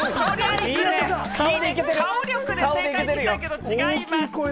顔力で正解にしたいけど違います。